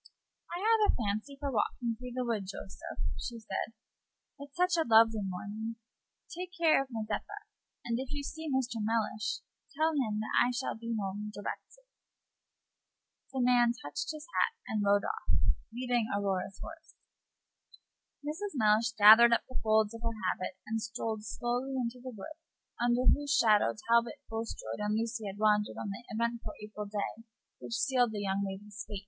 "I have a fancy for walking through the wood, Joseph," she said, "it's such a lovely morning. Take care of Mazeppa; and if you see Mr. Mellish, tell him that I shall be home directly." The man touched his hat, and rode off, leading Aurora's horse. Mrs. Mellish gathered up the folds of her habit and strolled slowly into the wood under whose shadow Talbot Bulstrode and Lucy had wandered on that eventful April day which sealed the young lady's fate.